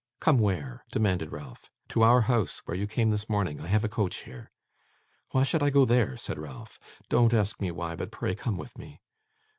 'Come where?' demanded Ralph. 'To our house, where you came this morning. I have a coach here.' 'Why should I go there?' said Ralph. 'Don't ask me why, but pray come with me.